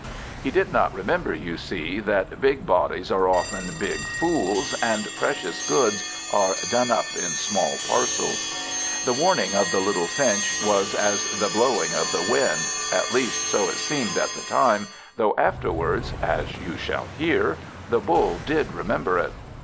He did not remember, you see, that big bodies are often big fools, and precious goods are done up in small parcels. The warning of the little Finch was as the blowing of the wind; at least, so it seemed at the time, though afterwards (as you shall hear) the Bull did remember it.